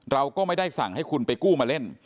เราก็ไม่ได้สั่งให้คุณไปกู้มาเล่น